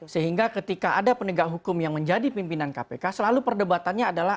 sehingga ketika ada penegak hukum yang menjadi pimpinan kpk selalu perdebatannya adalah